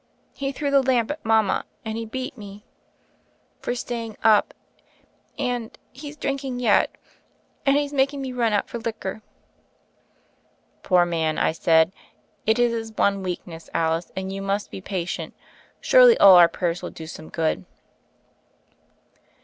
He threw the lamp at mama, and he beat me for 82 THE FAIRY OF THE SNOWS staying up; and — he's drinking yet. And he's making me run out for liquor." "Poor man," I said, "it is his one weakness, Alice, and you must be patient. Surely all our prayers will do some good."